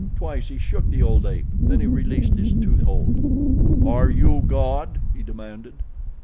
Twice he shook the old ape, then he released his tooth hold. "Are you God?" he demanded.